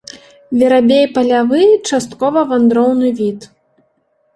Верабей палявы часткова вандроўны від.